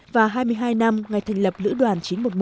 và hai mươi hai năm ngày thành lập lữ đoàn chín trăm một mươi một